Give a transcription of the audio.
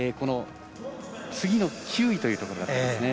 次の９位というところですね。